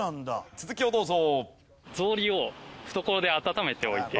続きをどうぞ。